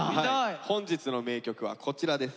本日の名曲はこちらです。